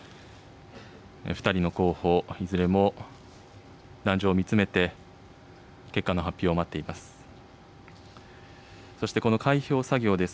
２人の候補、いずれも壇上を見つめて、結果の発表を待っています。